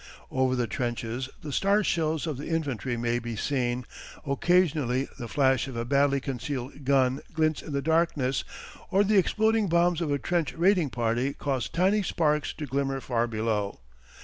Over the trenches the star shells of the infantry may be seen, occasionally the flash of a badly concealed gun glints in the darkness or the exploding bombs of a trench raiding party cause tiny sparks to glimmer far below.